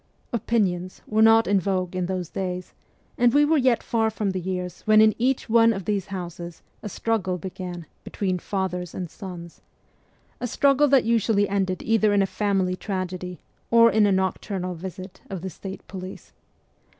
' Opinions ' were not in vogue in those days, and we were yet far from the years when in each one of these houses a struggle began between ' fathers and sons ' a struggle that usually ended either in a family tragedy or in a nocturnal visit of the state police.